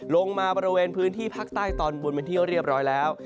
ลงมาบริเวณพื้นที่ภาคใต้ตอนบนเป็นที่เรียบร้อยแล้ว